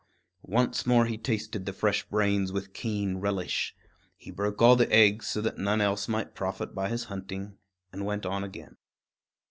Once more he tasted the fresh brains with keen relish. He broke all the eggs, so that none else might profit by his hunting, and went on again.